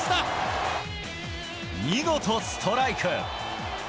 見事、ストライク！